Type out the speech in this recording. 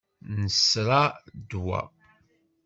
Nesra ddwa.